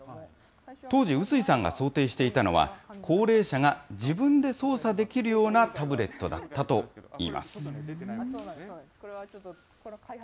当時、臼井さんが想定していたのは、高齢者が自分で操作できるようなタブレットだったといいます。